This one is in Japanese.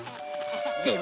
でも。